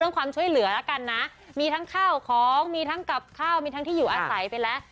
ความช่วยเหลือแล้วกันนะมีทั้งข้าวของมีทั้งกับข้าวมีทั้งที่อยู่อาศัยไปแล้ว